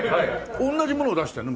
同じものを出してるの？